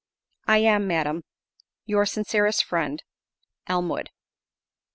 "I am, Madam, "Your sincerest friend, "Elmwood."